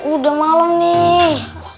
udah malem nih